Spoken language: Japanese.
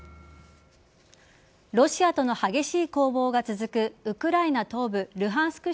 ロシアとの激しい攻防が続くウクライナ東部ルハンスク